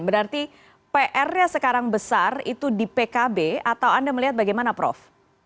berarti pr nya sekarang besar itu di pkb atau anda melihat bagaimana prof